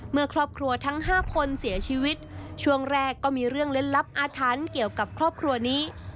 เมื่อครอบครัวทั้ง๕คนเสียชีวิตช่วงแรกก็มีเรื่องเล่นลับอาถรรพ์เกี่ยวกับครอบครัวนี้